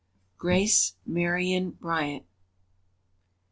Grace Marion Bryant.